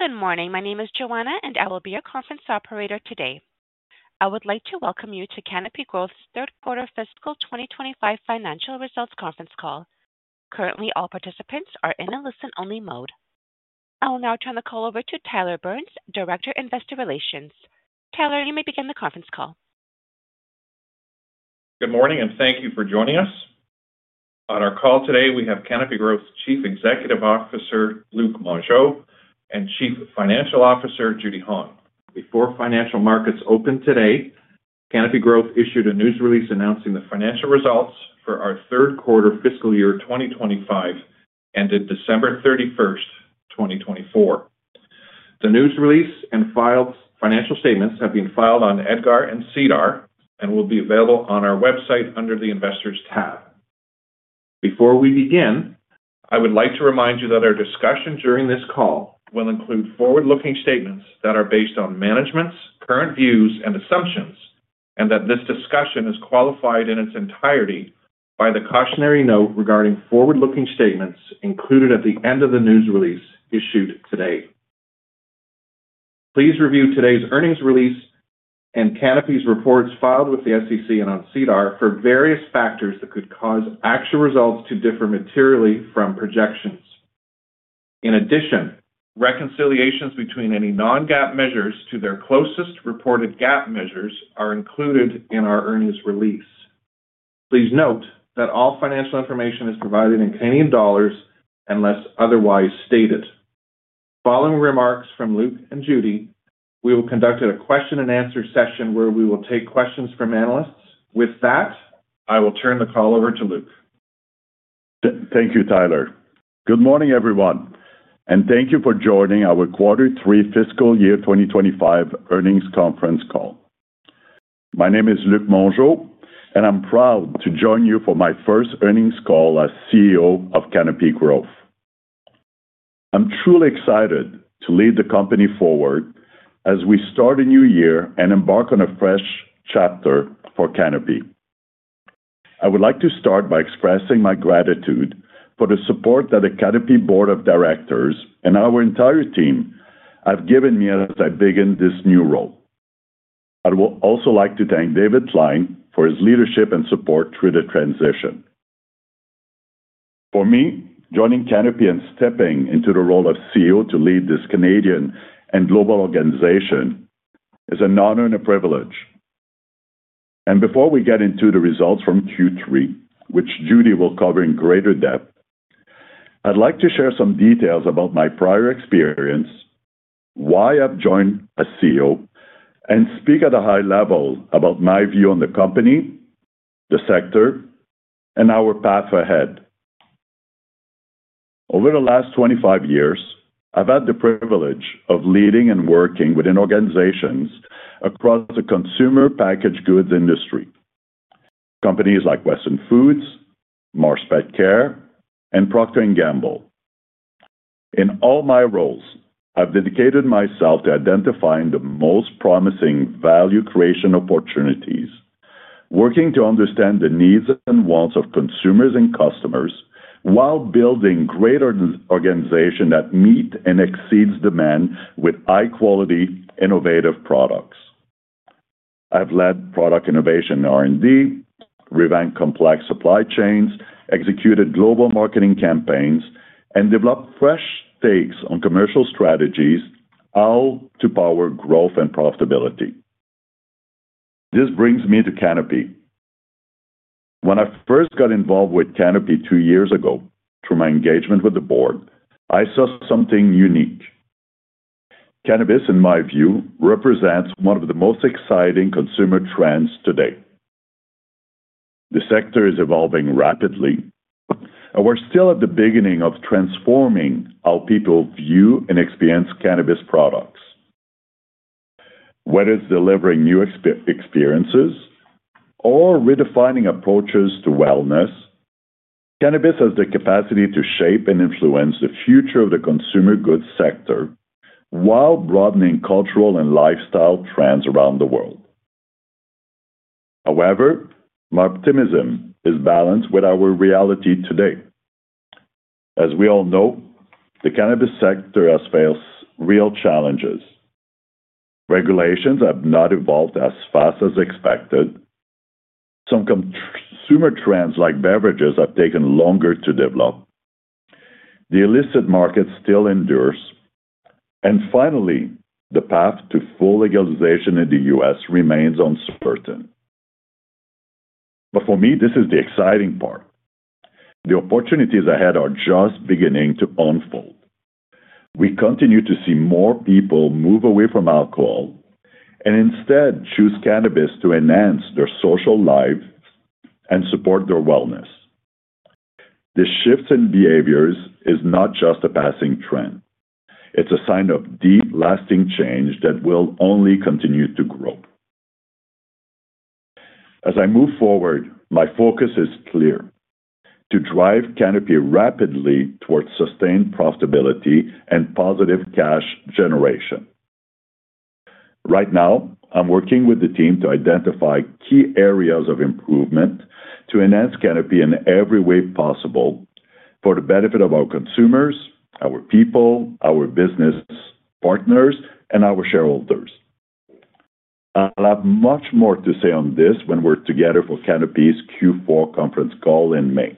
Good morning. My name is Joanna, and I will be your conference operator today. I would like to welcome you to Canopy Growth's third-quarter fiscal 2025 financial results conference call. Currently, all participants are in a listen-only mode. I will now turn the call over to Tyler Burns, Director, Investor Relations. Tyler, you may begin the conference call. Good morning, and thank you for joining us. On our call today, we have Canopy Growth's Chief Executive Officer, Luc Mongeau, and Chief Financial Officer, Judy Hong. Before financial markets opened today, Canopy Growth issued a news release announcing the financial results for our third-quarter fiscal year 2025 ended December 31st, 2024. The news release and filed financial statements have been filed on EDGAR and SEDAR and will be available on our website under the Investors tab. Before we begin, I would like to remind you that our discussion during this call will include forward-looking statements that are based on management's current views and assumptions, and that this discussion is qualified in its entirety by the cautionary note regarding forward-looking statements included at the end of the news release issued today. Please review today's earnings release and Canopy's reports filed with the SEC and on SEDAR for various factors that could cause actual results to differ materially from projections. In addition, reconciliations between any non-GAAP measures to their closest reported GAAP measures are included in our earnings release. Please note that all financial information is provided in Canadian dollars unless otherwise stated. Following remarks from Luc and Judy, we will conduct a question-and-answer session where we will take questions from analysts. With that, I will turn the call over to Luc. Thank you, Tyler. Good morning, everyone, and thank you for joining our quarter 3 fiscal year 2025 earnings conference call. My name is Luc Mongeau, and I'm proud to join you for my first earnings call as CEO of Canopy Growth. I'm truly excited to lead the company forward as we start a new year and embark on a fresh chapter for Canopy. I would like to start by expressing my gratitude for the support that the Canopy Board of Directors and our entire team have given me as I begin this new role. I would also like to thank David Klein for his leadership and support through the transition. For me, joining Canopy and stepping into the role of CEO to lead this Canadian and global organization is an honor and a privilege. Before we get into the results from Q3, which Judy will cover in greater depth, I'd like to share some details about my prior experience, why I've joined as CEO, and speak at a high level about my view on the company, the sector, and our path ahead. Over the last 25 years, I've had the privilege of leading and working within organizations across the Consumer Packaged Goods industry, companies like Weston Foods, Mars Petcare, and Procter & Gamble. In all my roles, I've dedicated myself to identifying the most promising value creation opportunities, working to understand the needs and wants of consumers and customers while building greater organizations that meet and exceed demand with high-quality, innovative products. I've led product innovation and R&D, revamped complex supply chains, executed global marketing campaigns, and developed fresh takes on commercial strategies all to power growth and profitability. This brings me to Canopy. When I first got involved with Canopy two years ago, through my engagement with the board, I saw something unique. Cannabis, in my view, represents one of the most exciting consumer trends today. The sector is evolving rapidly, and we're still at the beginning of transforming how people view and experience cannabis products. Whether it's delivering new experiences or redefining approaches to wellness, cannabis has the capacity to shape and influence the future of the Consumer Goods sector while broadening cultural and lifestyle trends around the world. However, my optimism is balanced with our reality today. As we all know, the Cannabis sector has faced real challenges. Regulations have not evolved as fast as expected. Some consumer trends, like beverages, have taken longer to develop. The illicit market still endures, and finally, the path to full legalization in the U.S. remains uncertain. But for me, this is the exciting part. The opportunities ahead are just beginning to unfold. We continue to see more people move away from alcohol and instead choose cannabis to enhance their social lives and support their wellness. This shift in behaviors is not just a passing trend. It's a sign of deep, lasting change that will only continue to grow. As I move forward, my focus is clear: to drive Canopy rapidly towards sustained profitability and positive cash generation. Right now, I'm working with the team to identify key areas of improvement to enhance Canopy in every way possible for the benefit of our consumers, our people, our business partners, and our shareholders. I'll have much more to say on this when we're together for Canopy's Q4 conference call in May.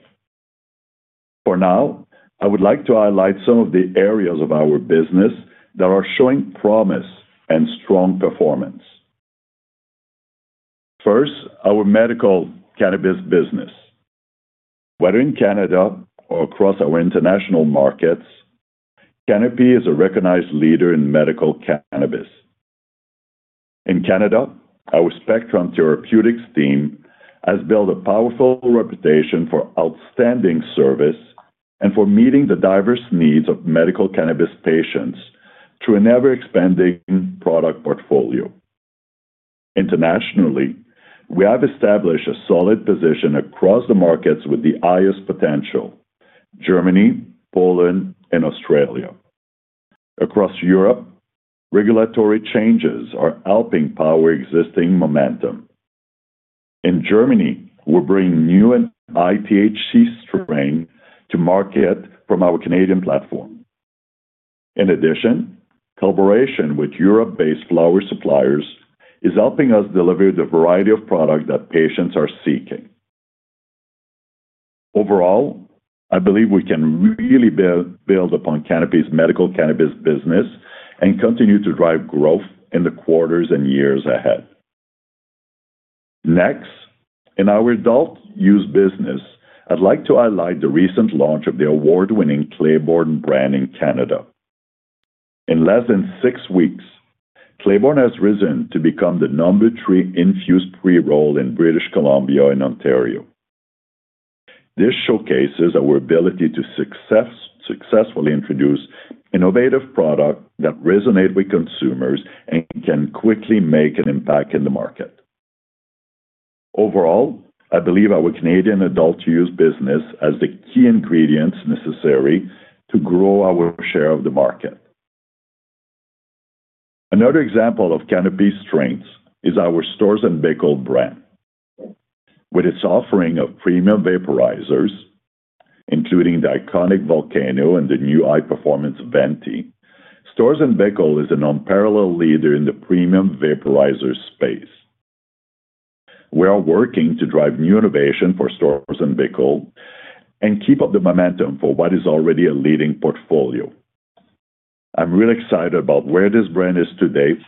For now, I would like to highlight some of the areas of our business that are showing promise and strong performance. First, our medical cannabis business. Whether in Canada or across our international markets, Canopy is a recognized leader in Medical Cannabis. In Canada, our Spectrum Therapeutics team has built a powerful reputation for outstanding service and for meeting the diverse needs of Medical Cannabis patients through an ever-expanding product portfolio. Internationally, we have established a solid position across the markets with the highest potential: Germany, Poland, and Australia. Across Europe, regulatory changes are helping power existing momentum. In Germany, we're bringing new higher THC strain to market from our Canadian platform. In addition, collaboration with Europe-based flower suppliers is helping us deliver the variety of product that patients are seeking. Overall, I believe we can really build upon Canopy's Medical Cannabis business and continue to drive growth in the quarters and years ahead. Next, in our adult use business, I'd like to highlight the recent launch of the award-winning Claybourne brand in Canada. In less than six weeks, Claybourne has risen to become the number three infused pre-roll in British Columbia and Ontario. This showcases our ability to successfully introduce innovative products that resonate with consumers and can quickly make an impact in the market. Overall, I believe our Canadian adult use business has the key ingredients necessary to grow our share of the market. Another example of Canopy's strengths STORZ & BICKEL brand. with its offering of premium vaporizers, including the iconic Volcano and the new high-performance Venty, STORZ & BICKEL is an unparalleled leader in the premium vaporizer space. We are working to drive new innovation for STORZ & BICKEL and keep up the momentum for what is already a leading portfolio. I'm really excited about where this brand is today,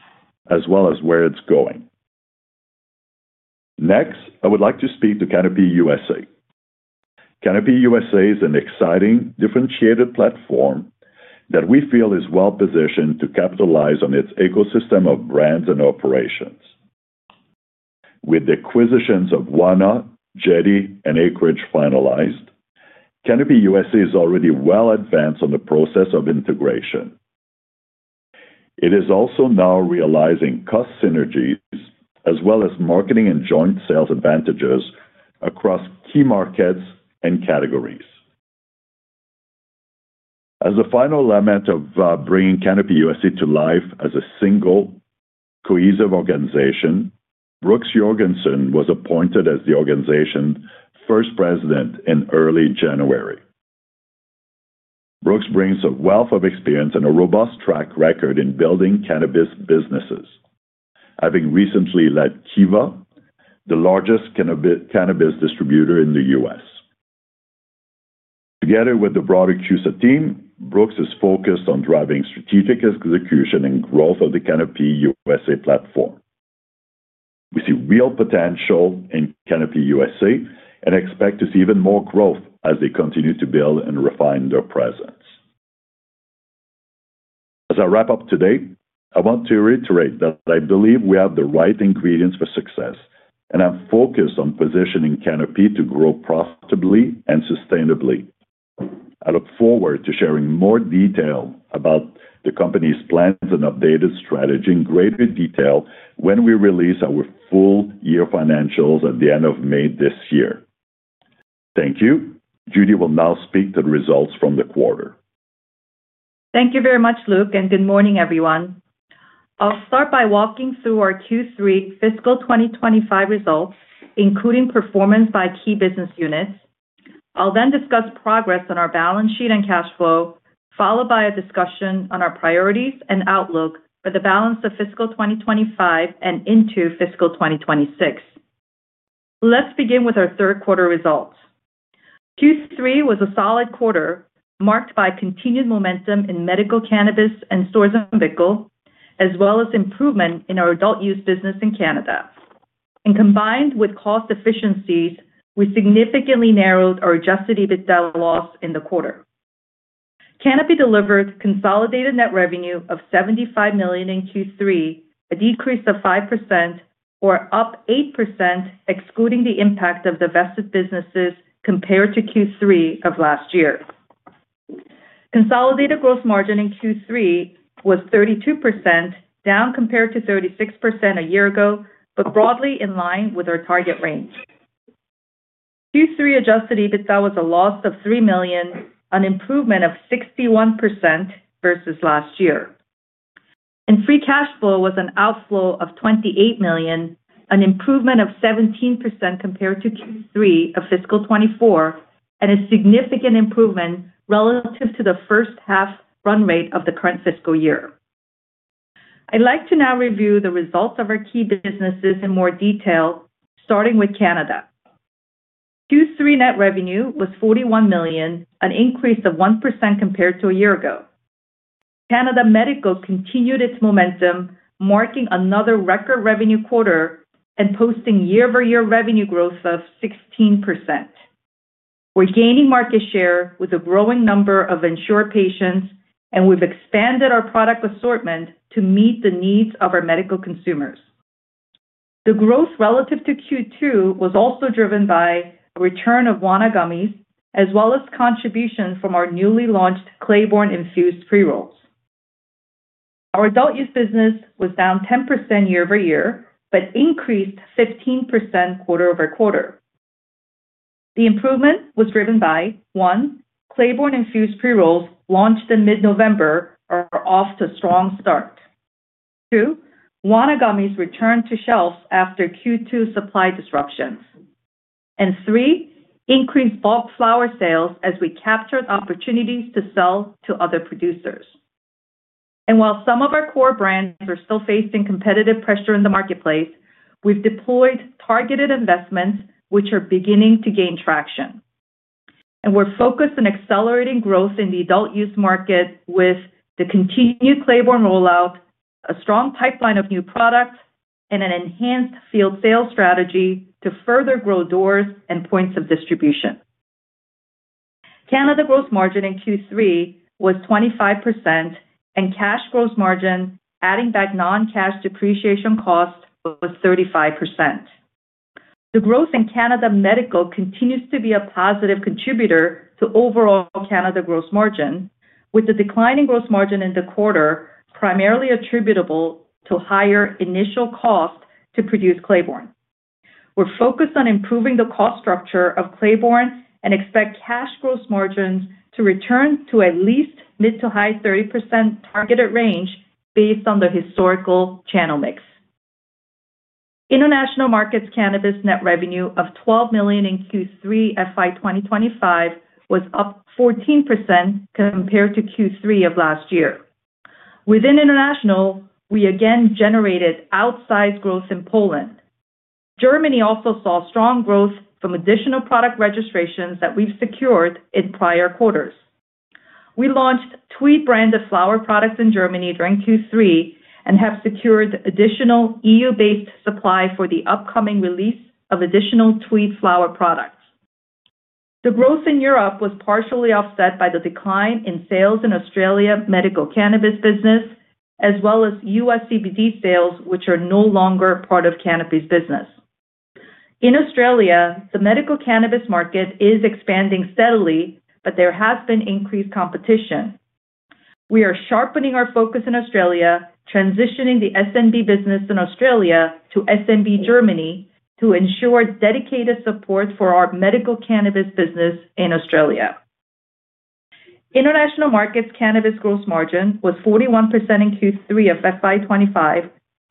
as well as where it's going. Next, I would like to speak to Canopy USA. Canopy USA is an exciting, differentiated platform that we feel is well-positioned to capitalize on its ecosystem of brands and operations. With the acquisitions of Wana, Jetty, and Acreage finalized, Canopy USA is already well advanced on the process of integration. It is also now realizing cost synergies, as well as marketing and joint sales advantages across key markets and categories. As a final element of bringing Canopy USA to life as a single, cohesive organization, Brooks Jorgensen was appointed as the organization's first President in early January. Brooks brings a wealth of experience and a robust track record in building Cannabis businesses, having recently led Kiva, the largest cannabis distributor in the U.S. Together with the broader CUSA team, Brooks is focused on driving strategic execution and growth of the Canopy USA platform. We see real potential in Canopy USA and expect to see even more growth as they continue to build and refine their presence. As I wrap up today, I want to reiterate that I believe we have the right ingredients for success, and I'm focused on positioning Canopy to grow profitably and sustainably. I look forward to sharing more detail about the company's plans and updated strategy in greater detail when we release our full year financials at the end of May this year. Thank you. Judy will now speak to the results from the quarter. Thank you very much, Luc, and good morning, everyone. I'll start by walking through our Q3 fiscal 2025 results, including performance by key business units. I'll then discuss progress on our balance sheet and cash flow, followed by a discussion on our priorities and outlook for the balance of fiscal 2025 and into fiscal 2026. Let's begin with our third-quarter results. Q3 was a solid quarter, marked by continued momentum in medical cannabis and STORZ & BICKEL, as well as improvement in our adult use business in Canada, and combined with cost efficiencies, we significantly narrowed our Adjusted EBITDA loss in the quarter. Canopy delivered consolidated net revenue of 75 million in Q3, a decrease of 5%, or up 8%, excluding the impact of divested businesses compared to Q3 of last year. Consolidated gross margin in Q3 was 32%, down compared to 36% a year ago, but broadly in line with our target range. Q3 Adjusted EBITDA was a loss of 3 million, an improvement of 61% versus last year. In free cash flow, it was an outflow of 28 million, an improvement of 17% compared to Q3 of fiscal 2024, and a significant improvement relative to the first-half run rate of the current fiscal year. I'd like to now review the results of our key businesses in more detail, starting with Canada. Q3 net revenue was 41 million, an increase of 1% compared to a year ago. Canada Medical continued its momentum, marking another record revenue quarter and posting year-over-year revenue growth of 16%. We're gaining market share with a growing number of insured patients, and we've expanded our product assortment to meet the needs of our medical consumers. The growth relative to Q2 was also driven by a return of Wana gummies, as well as contributions from our newly launched Claybourne Infused Pre-rolls. Our adult use business was down 10% year-over-year but increased 15% quarter-over-quarter. The improvement was driven by, one, Claybourne Infused Pre-rolls launched in mid-November are off to a strong start. Two, Wana gummies returned to shelves after Q2 supply disruptions. And three, increased bulk flower sales as we captured opportunities to sell to other producers. While some of our core brands are still facing competitive pressure in the marketplace, we've deployed targeted investments, which are beginning to gain traction. We're focused on accelerating growth in the adult use market with the continued Claybourne rollout, a strong pipeline of new products, and an enhanced field sales strategy to further grow doors and points of distribution. Canada gross margin in Q3 was 25%, and cash gross margin, adding back non-cash depreciation cost, was 35%. The growth in Canada Medical continues to be a positive contributor to overall Canada gross margin, with the declining gross margin in the quarter primarily attributable to higher initial cost to produce Claybourne. We're focused on improving the cost structure of Claybourne and expect cash gross margins to return to at least mid- to high-30% targeted range based on the historical channel mix. International markets' cannabis net revenue of 12 million in Q3 FY 2025 was up 14% compared to Q3 of last year. Within international, we again generated outsized growth in Poland. Germany also saw strong growth from additional product registrations that we've secured in prior quarters. We launched Tweed-branded flower products in Germany during Q3 and have secured additional EU-based supply for the upcoming release of additional Tweed flower products. The growth in Europe was partially offset by the decline in sales in Australia's Medical Cannabis business, as well as U.S. CBD sales, which are no longer part of Canopy's business. In Australia, the Medical Cannabis market is expanding steadily, but there has been increased competition. We are sharpening our focus in Australia, transitioning the SNB business in Australia to SNB Germany to ensure dedicated support for our Medical Cannabis business in Australia. International markets' cannabis gross margin was 41% in Q3 of FY 2025,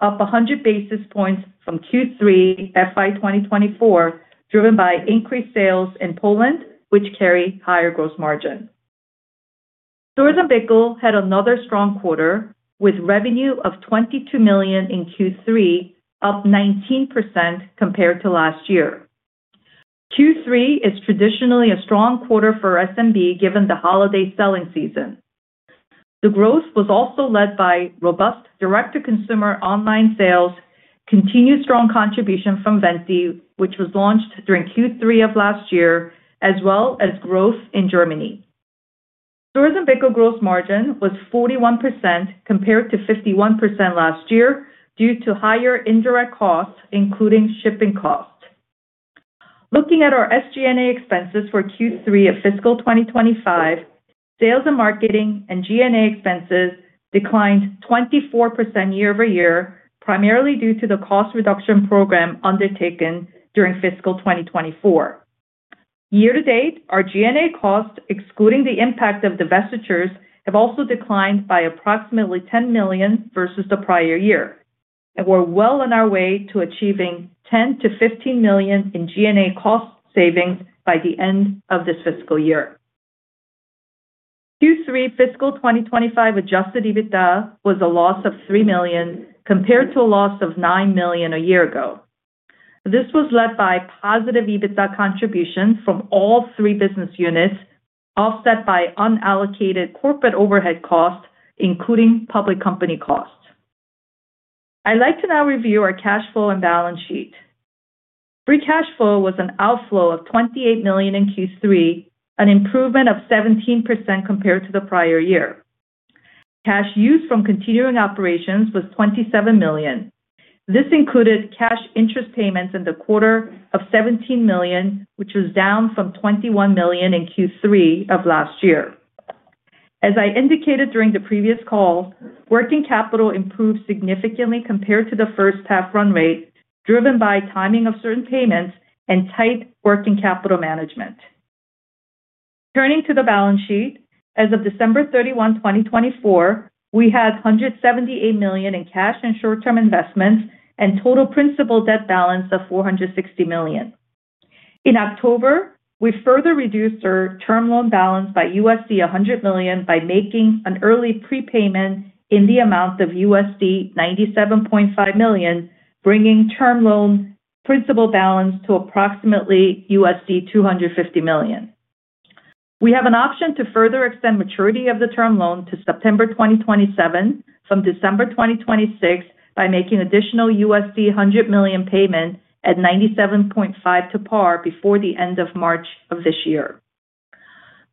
up 100 basis points from Q3 FY 2024, driven by increased sales in Poland, which carry higher gross margin. STORZ & BICKEL had another strong quarter with revenue of 22 million in Q3, up 19% compared to last year. Q3 is traditionally a strong quarter for S&B, given the holiday selling season. The growth was also led by robust direct-to-consumer online sales, continued strong contribution from Venty, which was launched during Q3 of last year, as well as growth in Germany. STORZ & BICKEL gross margin was 41% compared to 51% last year due to higher indirect costs, including shipping costs. Looking at our SG&A expenses for Q3 of fiscal 2025, sales and marketing and G&A expenses declined 24% year-over-year, primarily due to the cost reduction program undertaken during fiscal 2024. Year-to-date, our G&A costs, excluding the impact of divestitures, have also declined by approximately 10 million versus the prior year, and we're well on our way to achieving 10 million-15 million in G&A cost savings by the end of this fiscal year. Q3 fiscal 2025 Adjusted EBITDA was a loss of 3 million compared to a loss of 9 million a year ago. This was led by positive EBITDA contributions from all three business units, offset by unallocated corporate overhead costs, including public company costs. I'd like to now review our cash flow and balance sheet. Free cash flow was an outflow of 28 million in Q3, an improvement of 17% compared to the prior year. Cash used from continuing operations was 27 million. This included cash interest payments in the quarter of 17 million, which was down from 21 million in Q3 of last year. As I indicated during the previous call, working capital improved significantly compared to the first-half run rate, driven by timing of certain payments and tight working capital management. Turning to the balance sheet, as of December 31, 2024, we had 178 million in cash and short-term investments and total principal debt balance of 460 million. In October, we further reduced our term loan balance by $100 million by making an early prepayment in the amount of $97.5 million, bringing term loan principal balance to approximately $250 million. We have an option to further extend maturity of the term loan to September 2027 from December 2026 by making an additional $100 million payment at $97.5 to par before the end of March of this year.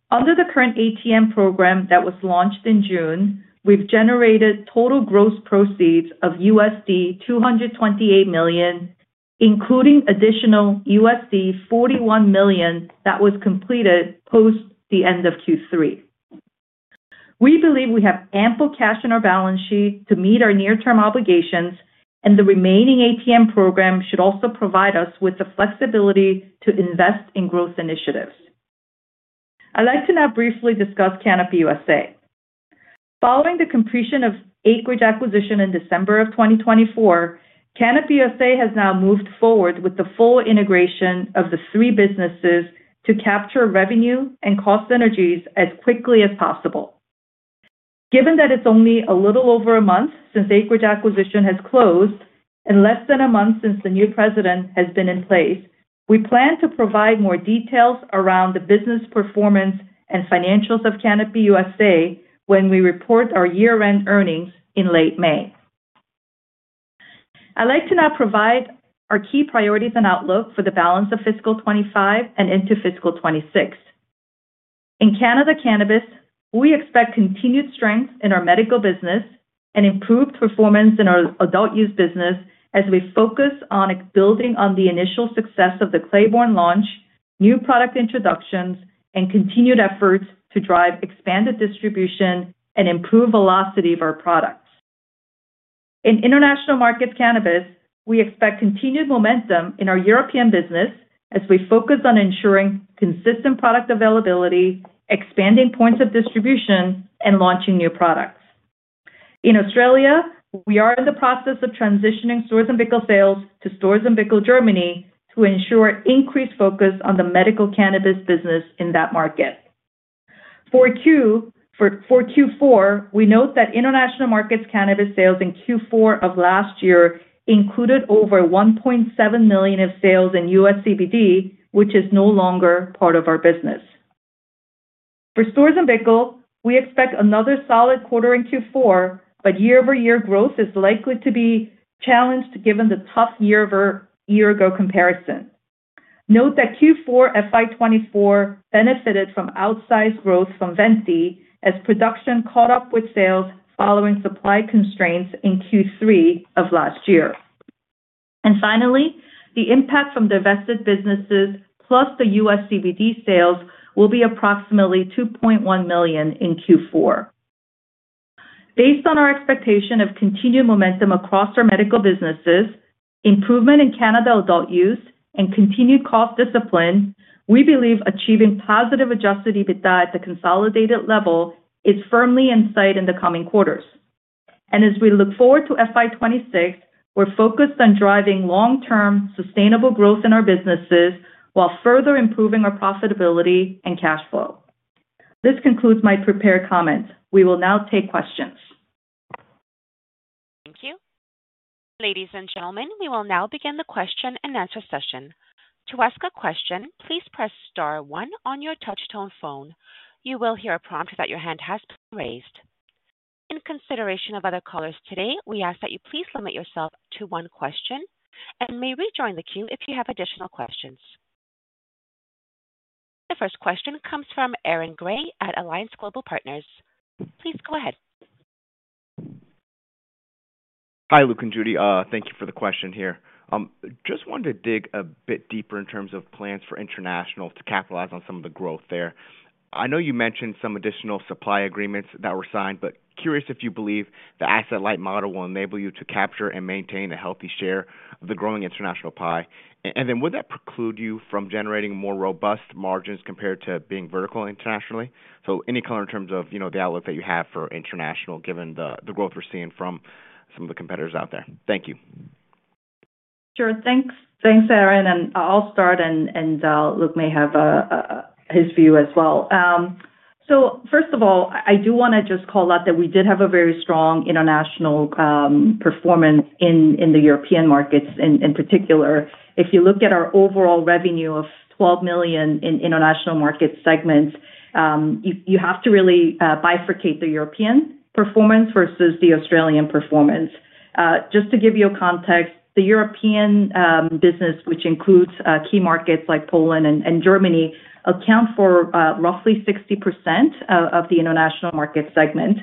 Under the current ATM program that was launched in June, we've generated total gross proceeds of $228 million, including additional $41 million that was completed post the end of Q3. We believe we have ample cash in our balance sheet to meet our near-term obligations, and the remaining ATM program should also provide us with the flexibility to invest in growth initiatives. I'd like to now briefly discuss Canopy USA. Following the completion of Acreage acquisition in December of 2024, Canopy USA has now moved forward with the full integration of the three businesses to capture revenue and cost synergies as quickly as possible. Given that it's only a little over a month since Acreage acquisition has closed and less than a month since the new president has been in place, we plan to provide more details around the business performance and financials of Canopy USA when we report our year-end earnings in late May. I'd like to now provide our key priorities and outlook for the balance of fiscal 2025 and into fiscal 2026. In Canadian cannabis, we expect continued strength in our Medical business and improved performance in our adult use business as we focus on building on the initial success of the Claybourne launch, new product introductions, and continued efforts to drive expanded distribution and improve velocity of our products. In International Markets cannabis, we expect continued momentum in our European business as we focus on ensuring consistent product availability, expanding points of distribution, and launching new products. In Australia, we are in the process of transitioning STORZ & BICKEL sales to STORZ & BICKEL Germany to ensure increased focus on the medical cannabis business in that market. For Q4, we note that International Markets cannabis sales in Q4 of last year included over $1.7 million of sales in U.S. CBD, which is no longer part of our business. For STORZ & BICKEL, we expect another solid quarter in Q4, but year-over-year growth is likely to be challenged given the tough year-over-year ago comparison. Note that Q4 FY 2024 benefited from outsized growth from Venty as production caught up with sales following supply constraints in Q3 of last year. And finally, the impact from divested businesses plus the U.S. CBD sales will be approximately $2.1 million in Q4. Based on our expectation of continued momentum across our medical businesses, improvement in Canada adult use, and continued cost discipline, we believe achieving positive Adjusted EBITDA at the consolidated level is firmly in sight in the coming quarters. And as we look forward to FY 2026, we're focused on driving long-term sustainable growth in our businesses while further improving our profitability and cash flow. This concludes my prepared comments. We will now take questions. Thank you. Ladies and gentlemen, we will now begin the question-and-answer session. To ask a question, please press star one on your touch-tone phone. You will hear a prompt that your hand has been raised. In consideration of other callers today, we ask that you please limit yourself to one question and may rejoin the queue if you have additional questions. The first question comes from Aaron Grey at Alliance Global Partners. Please go ahead. Hi, Luc and Judy. Thank you for the question here. Just wanted to dig a bit deeper in terms of plans for international to capitalize on some of the growth there. I know you mentioned some additional supply agreements that were signed, but curious if you believe the asset light model will enable you to capture and maintain a healthy share of the growing international pie? And then would that preclude you from generating more robust margins compared to being vertical internationally? So any color in terms of the outlook that you have for international given the growth we're seeing from some of the competitors out there. Thank you. Sure. Thanks, Aaron. And I'll start, and Luc may have his view as well. So first of all, I do want to just call out that we did have a very strong international performance in the European markets in particular. If you look at our overall revenue of $12 million in International market segments, you have to really bifurcate the European performance versus the Australian performance. Just to give you context, the European business, which includes key markets like Poland and Germany, accounts for roughly 60% of the International market segment.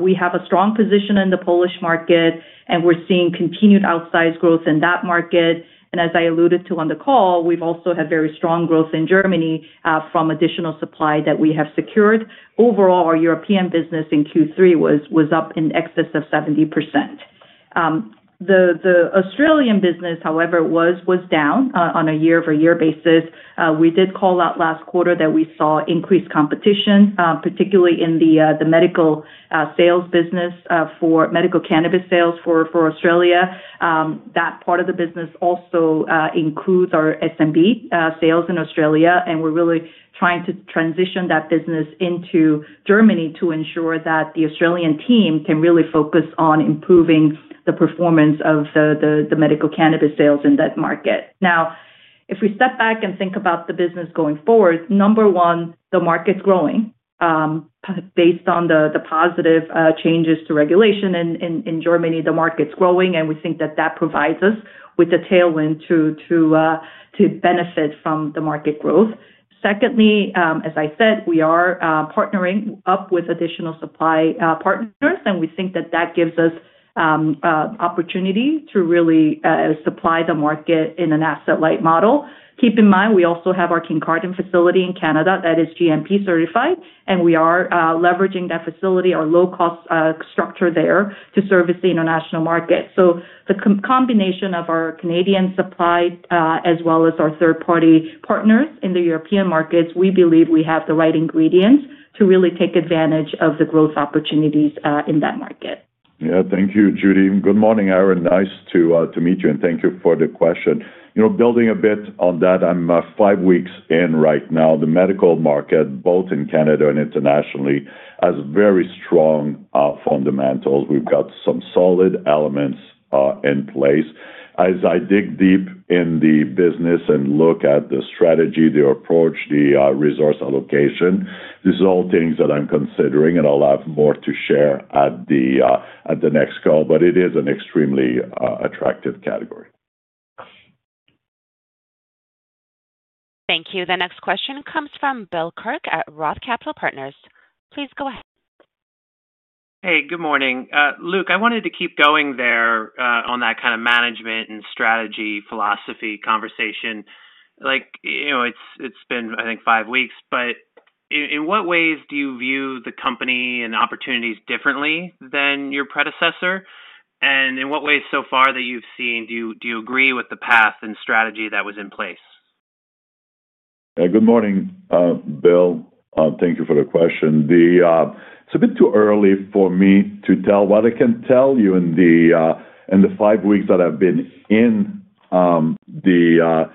We have a strong position in the Polish market, and we're seeing continued outsized growth in that market. And as I alluded to on the call, we've also had very strong growth in Germany from additional supply that we have secured. Overall, our European business in Q3 was up in excess of 70%. The Australian business, however, was down on a year-over-year basis. We did call out last quarter that we saw increased competition, particularly in the Medical sales business for Medical Cannabis sales for Australia. That part of the business also includes our S&B sales in Australia, and we're really trying to transition that business into Germany to ensure that the Australian team can really focus on improving the performance of the Medical Cannabis sales in that market. Now, if we step back and think about the business going forward, number one, the market's growing based on the positive changes to regulation in Germany. The market's growing, and we think that that provides us with a tailwind to benefit from the market growth. Secondly, as I said, we are partnering up with additional supply partners, and we think that that gives us opportunity to really supply the market in an asset light model. Keep in mind, we also have our Kincardine facility in Canada that is GMP-certified, and we are leveraging that facility, our low-cost structure there to service the international market. So the combination of our Canadian supply as well as our third-party partners in the European markets, we believe we have the right ingredients to really take advantage of the growth opportunities in that market. Yeah, thank you, Judy. Good morning, Aaron. Nice to meet you, and thank you for the question. Building a bit on that, I'm five weeks in right now. The medical market, both in Canada and internationally, has very strong fundamentals. We've got some solid elements in place. As I dig deep in the business and look at the strategy, the approach, the resource allocation, these are all things that I'm considering, and I'll have more to share at the next call, but it is an extremely attractive category. Thank you. The next question comes from Bill Kirk at Roth Capital Partners. Please go ahead. Hey, good morning. Luc, I wanted to keep going there on that kind of management and strategy philosophy conversation. It's been, I think, five weeks, but in what ways do you view the company and opportunities differently than your predecessor? In what ways so far that you've seen, do you agree with the path and strategy that was in place? Good morning, Bill. Thank you for the question. It's a bit too early for me to tell, but I can tell you in the five weeks that I've been in the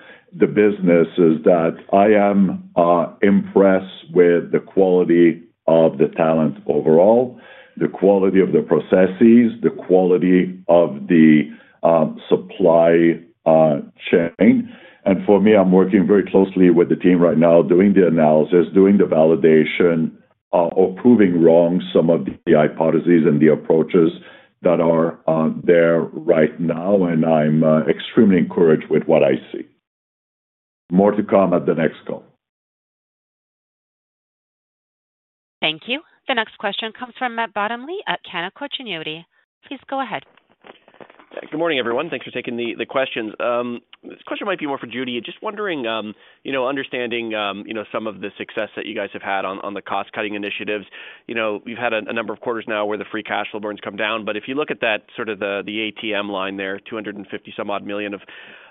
business is that I am impressed with the quality of the talent overall, the quality of the processes, the quality of the supply chain. And for me, I'm working very closely with the team right now, doing the analysis, doing the validation, or proving wrong some of the hypotheses and the approaches that are there right now, and I'm extremely encouraged with what I see. More to come at the next call. Thank you. The next question comes from Matt Bottomley at Canaccord Genuity. Please go ahead. Good morning, everyone. Thanks for taking the questions. This question might be more for Judy. Just wondering, understanding some of the success that you guys have had on the cost-cutting initiatives, we've had a number of quarters now where the free cash flow burns come down, but if you look at that sort of the ATM line there, CAD 250-some-odd million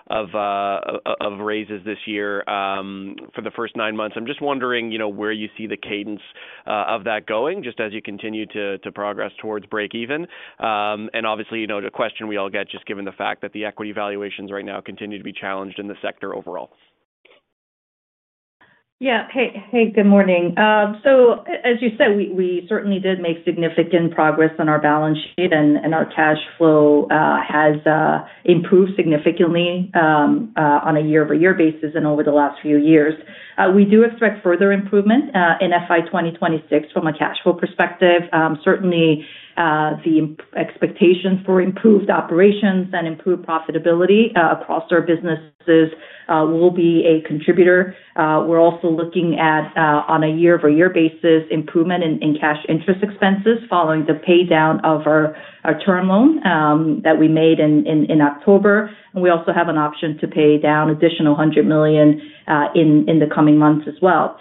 of raises this year for the first nine months, I'm just wondering where you see the cadence of that going just as you continue to progress towards break-even, and obviously, a question we all get just given the fact that the equity valuations right now continue to be challenged in the sector overall. Yeah. Hey, good morning, so as you said, we certainly did make significant progress on our balance sheet, and our cash flow has improved significantly on a year-over-year basis and over the last few years. We do expect further improvement in FY 2026 from a cash flow perspective. Certainly, the expectations for improved operations and improved profitability across our businesses will be a contributor. We're also looking at, on a year-over-year basis, improvement in cash interest expenses following the paydown of our term loan that we made in October, and we also have an option to pay down an additional $100 million in the coming months as well,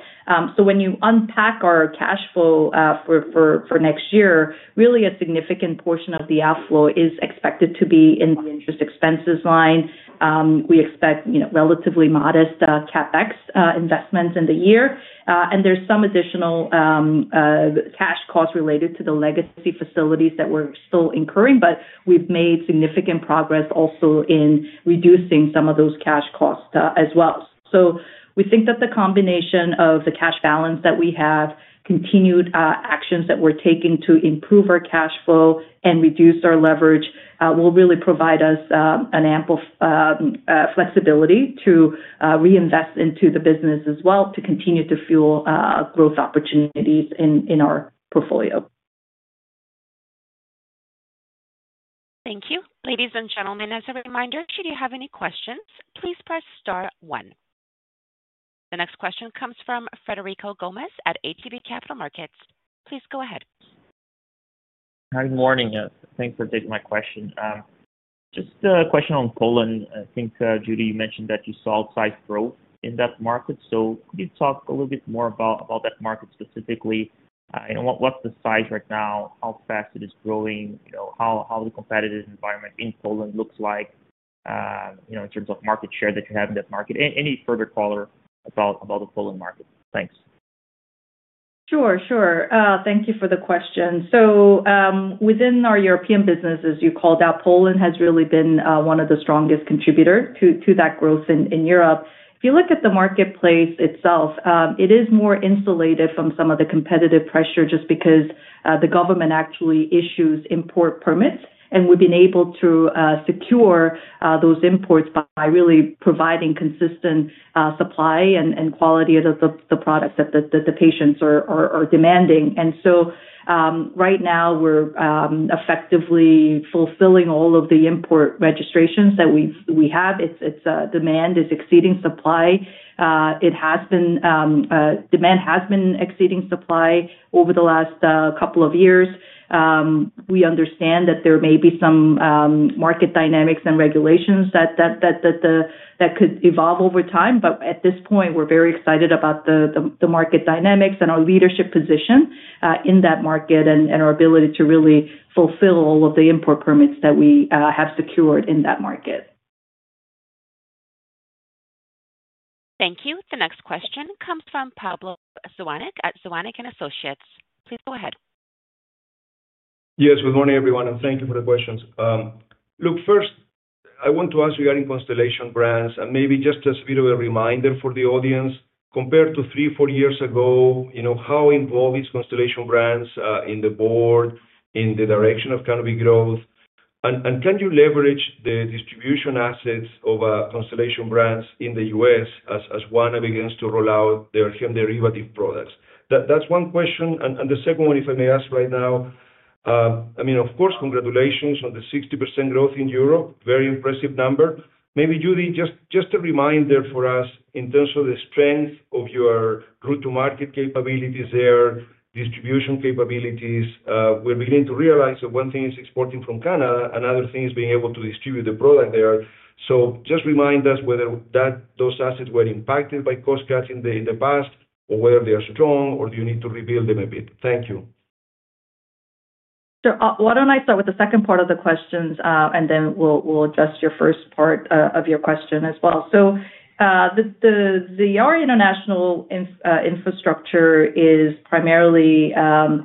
so when you unpack our cash flow for next year, really a significant portion of the outflow is expected to be in the interest expenses line. We expect relatively modest CapEx investments in the year, and there's some additional cash costs related to the legacy facilities that we're still incurring, but we've made significant progress also in reducing some of those cash costs as well. So we think that the combination of the cash balance that we have, continued actions that we're taking to improve our cash flow and reduce our leverage will really provide us an ample flexibility to reinvest into the business as well to continue to fuel growth opportunities in our portfolio. Thank you. Ladies and gentlemen, as a reminder, should you have any questions, please press star one. The next question comes from Frederico Gomes at ATB Capital Markets. Please go ahead. Good morning. Thanks for taking my question. Just a question on Poland. I think, Judy, you mentioned that you saw outsized growth in that market. So could you talk a little bit more about that market specifically? What's the size right now? How fast it is growing? How the competitive environment in Poland looks like in terms of market share that you have in that market? Any further color about the Poland market? Thanks. Sure, sure. Thank you for the question. So within our European businesses, you called out Poland has really been one of the strongest contributors to that growth in Europe. If you look at the marketplace itself, it is more insulated from some of the competitive pressure just because the government actually issues import permits, and we've been able to secure those imports by really providing consistent supply and quality of the products that the patients are demanding. And so right now, we're effectively fulfilling all of the import registrations that we have. Demand is exceeding supply. Demand has been exceeding supply over the last couple of years. We understand that there may be some market dynamics and regulations that could evolve over time, but at this point, we're very excited about the market dynamics and our leadership position in that market and our ability to really fulfill all of the import permits that we have secured in that market. Thank you. The next question comes from Pablo Zuanic at Zuanic & Associates. Please go ahead. Yes, good morning, everyone, and thank you for the questions. Look, first, I want to ask regarding Constellation Brands, and maybe just as a bit of a reminder for the audience, compared to three, four years ago, how involved is Constellation Brands in the board, in the direction of Canopy Growth? And can you leverage the distribution assets of Constellation Brands in the U.S. as one of the agents to roll out their derivative products? That's one question. And the second one, if I may ask right now, I mean, of course, congratulations on the 60% growth in Europe. Very impressive number. Maybe, Judy, just a reminder for us in terms of the strength of your go-to-market capabilities there, distribution capabilities. We're beginning to realize that one thing is exporting from Canada, another thing is being able to distribute the product there. So just remind us whether those assets were impacted by cost cuts in the past or whether they are strong or do you need to rebuild them a bit. Thank you. So why don't I start with the second part of the questions, and then we'll address your first part of your question as well. So our international infrastructure is primarily.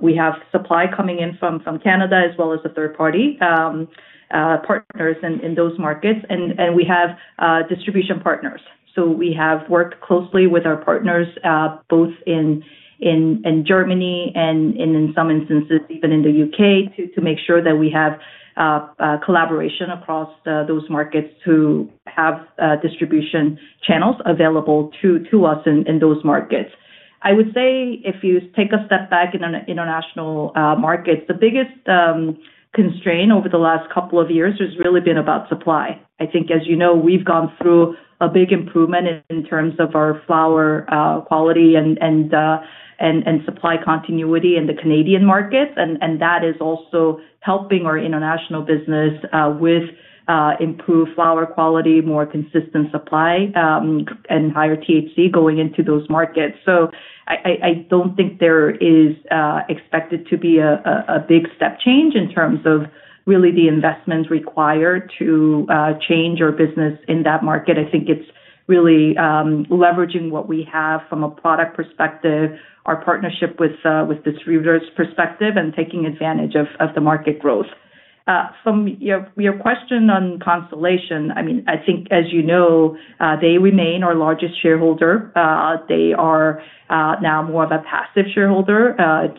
We have supply coming in from Canada as well as third-party partners in those markets, and we have distribution partners. So we have worked closely with our partners both in Germany and in some instances even in the U.K. to make sure that we have collaboration across those markets who have distribution channels available to us in those markets. I would say if you take a step back in international markets, the biggest constraint over the last couple of years has really been about supply. I think, as you know, we've gone through a big improvement in terms of our flower quality and supply continuity in the Canadian markets, and that is also helping our international business with improved flower quality, more consistent supply, and higher THC going into those markets. So I don't think there is expected to be a big step change in terms of really the investments required to change our business in that market. I think it's really leveraging what we have from a product perspective, our partnership with distributors' perspective, and taking advantage of the market growth. From your question on Constellation, I mean, I think, as you know, they remain our largest shareholder. They are now more of a passive shareholder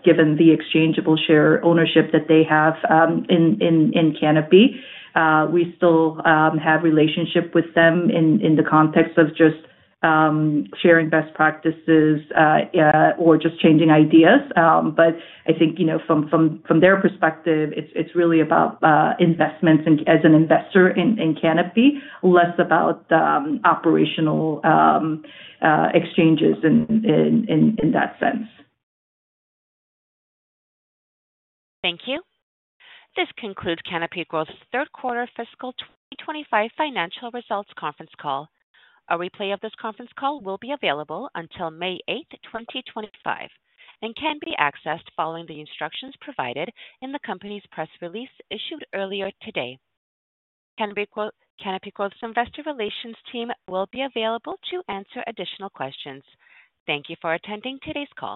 given the exchangeable share ownership that they have in Canopy. We still have a relationship with them in the context of just sharing best practices or just exchanging ideas. But I think from their perspective, it's really about investments as an investor in Canopy, less about operational exchanges in that sense. Thank you. This concludes Canopy Growth's third quarter fiscal 2025 financial results conference call. A replay of this conference call will be available until May 8th, 2025, and can be accessed following the instructions provided in the company's press release issued earlier today. Canopy Growth's investor relations team will be available to answer additional questions. Thank you for attending today's call.